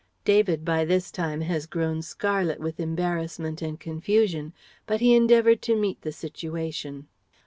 David by this time has grown scarlet with embarrassment and confusion. But he endeavoured to meet the situation.